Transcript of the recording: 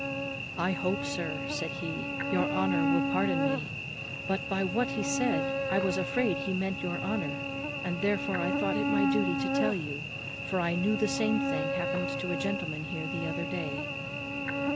"I hope, sir," said he, "your honour will pardon me, but, by what he said, I was afraid he meant your honour; and therefore I thought it my duty to tell you; for I knew the same thing happen to a gentleman here the other day."